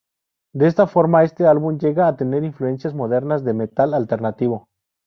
De esta forma, este álbum llega a tener influencias modernas de metal alternativo.